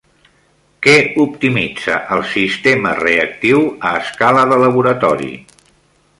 Què optimitza el sistema reactiu a escala de laboratori?